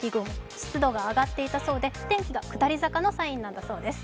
湿度が上がっていたそうで、天気が下り坂のサインだそうです。